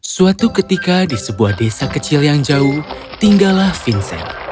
suatu ketika di sebuah desa kecil yang jauh tinggallah vincent